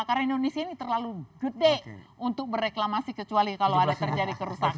karena indonesia ini terlalu gede untuk berreklamasi kecuali kalau ada terjadi kerusakan